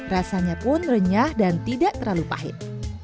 rasanya pun renyah dan tidak terlalu pahit